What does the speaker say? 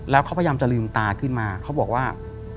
พยายามจะลืมตาขึ้นมาเขาบอกว่า